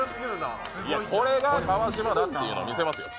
これが川島だっていうのみせますよ。